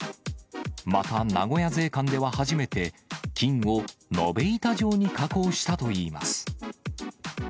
また、名古屋税関では初めて、金を延べ板状に加工したといいます。